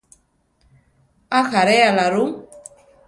¿Ajaréala rú?